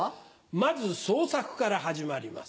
まずソウサクから始まります。